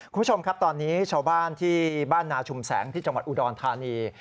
คุณผู้ชมครับตอนนี้ชาวบ้านที่บ้านนาชุมแสงที่จังหวัดอุดรธานี